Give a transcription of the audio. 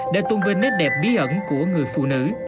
để tôn vinh nét đẹp bí ẩn của người phụ nữ